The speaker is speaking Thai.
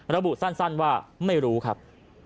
ระบุสั้นว่าไม่รู้ครับ